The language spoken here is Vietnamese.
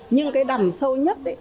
nhưng cái đầm sâu nhất